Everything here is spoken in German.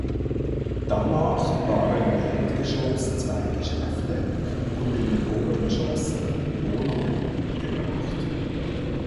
Danach waren im Erdgeschoss zwei Geschäfte und in den Obergeschossen Wohnungen untergebracht.